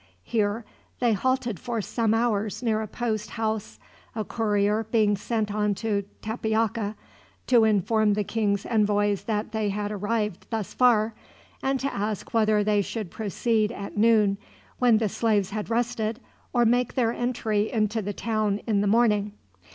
Here they halted for some hours near a post house, a courier being sent on to Tepeaca, to inform the king's envoys that they had arrived thus far; and to ask whether they should proceed at noon, when the slaves had rested, or make their entry into the town in the morning.